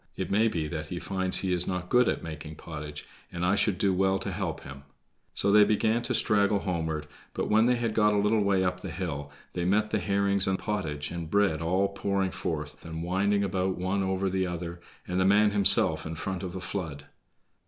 It may be that he finds he is not good at making pottage, and I should do well to help him." So they began to straggle homeward, but when they had got a little way up the hill they met the herrings and pottage and bread, all pouring forth and winding about one over the other, and the man himself in front of the flood.